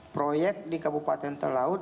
proyek di kabupaten talaut